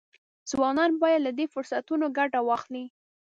ځوانان باید له دې فرصتونو ګټه واخلي.